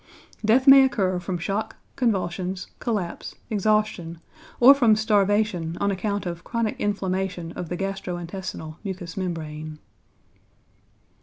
Death may occur from shock, convulsions, collapse, exhaustion, or from starvation on account of chronic inflammation of the gastro intestinal mucous membrane.